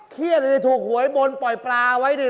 เครียดเลยถูกหวยบนปล่อยปลาไว้ด้วย